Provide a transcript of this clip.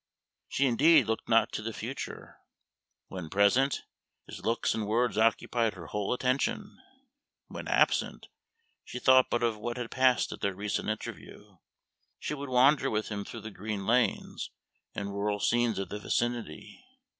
She, indeed, looked not to the future. When present, his looks and words occupied her whole attention; when absent, she thought but of what had passed at their recent interview. She would wander with him through the green lanes and rural scenes of the vicinity.